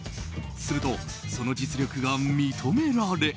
すると、その実力が認められ。